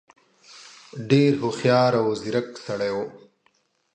ډېر هوښیار او ځيرک سړی وو.